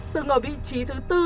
từng ở vị trí thứ tư